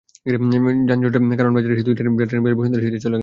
যানজটে কারওয়ান বাজারে এসে দুই নারী যাত্রী নেমে বসুন্ধরা সিটিতে চলে গেছেন।